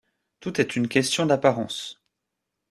Tout est une question d’apparence.